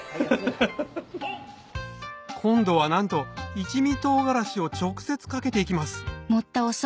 今度はなんと一味唐辛子を直接かけて行きます